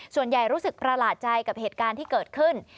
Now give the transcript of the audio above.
รู้สึกประหลาดใจกับเหตุการณ์ที่เกิดขึ้น